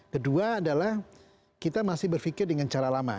kedua adalah kita masih berpikir dengan cara lama